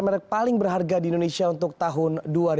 merek paling berharga di indonesia untuk tahun dua ribu dua